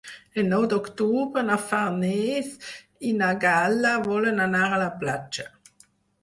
El nou d'octubre na Farners i na Gal·la volen anar a la platja.